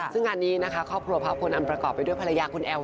ซึ่งงานนี้นะคะครอบครัวพระพลอันประกอบไปด้วยภรรยาคุณแอล